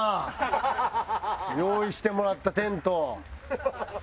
用意してもらったテント。